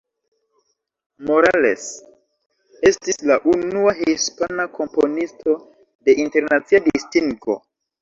Morales estis la unua hispana komponisto de internacia distingo.